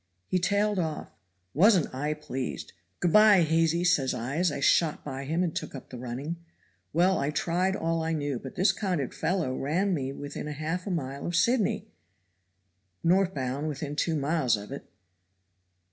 He tailed off. Wasn't I pleased! 'Good by, Hazy,' says I, as I shot by him and took up the running. Well, I tried all I knew; but this confounded fellow ran me within half a mile of Sydney (N. B., within two miles of it).